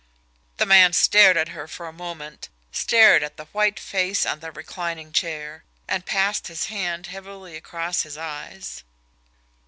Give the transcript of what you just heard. The man stared at her a moment, stared at the white face on the reclining chair and passed his hand heavily across his eyes.